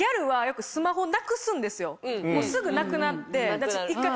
すぐなくなって。